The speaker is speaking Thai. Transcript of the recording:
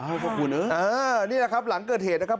อ้าวขอบคุณเยอะ๑นี่แหละครับหลังเกิดเหตุครับ